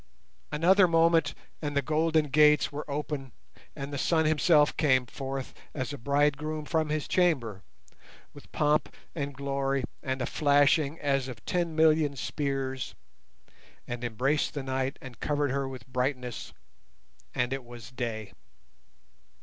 Another moment, and the golden gates were open and the sun himself came forth as a bridegroom from his chamber, with pomp and glory and a flashing as of ten million spears, and embraced the night and covered her with brightness, and it was day.